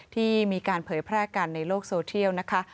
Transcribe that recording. ที่มีการเผยแพร่กันในโลกโซเทียลนะคะ